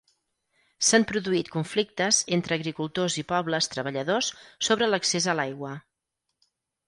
S'han produït conflictes entre agricultors i pobles treballadors sobre l'accés a l'aigua.